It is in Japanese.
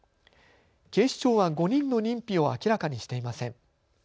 警視庁は５人の認否を明らかにしていません。